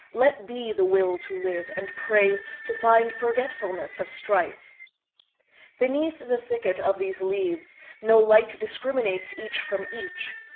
Let be the will to live, and prayTo find forgetfulness of strife. Beneath the thicket of these leavesNo light discriminates each from each.